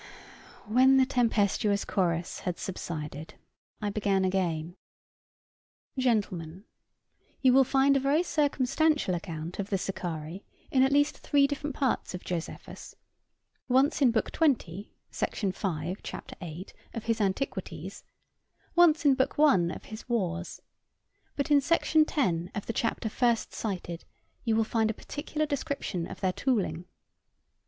When the tempestuous chorus had subsided, I began again: "Gentlemen, you will find a very circumstantial account of the Sicarii in at least three different parts of Josephus; once in Book XX. sect. v. c. 8, of his Antiquities; once in Book I. of his Wars: but in sect. 10 of the chapter first cited you will find a particular description of their tooling.